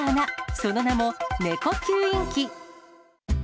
その名も猫吸引機。